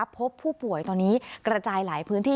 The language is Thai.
พบผู้ป่วยตอนนี้กระจายหลายพื้นที่